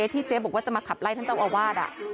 เจ๊บอกว่าจะมาขับไล่ท่านเจ้าอาวาส